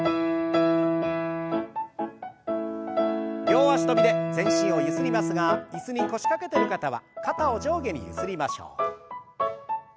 両脚跳びで全身をゆすりますが椅子に腰掛けてる方は肩を上下にゆすりましょう。